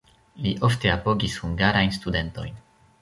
Li ofte apogis hungarajn studentojn.